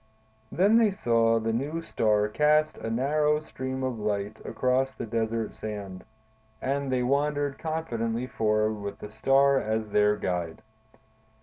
Then they saw the new star cast a narrow stream of light across the desert sand, and they wandered confidently forward with the star as their guide.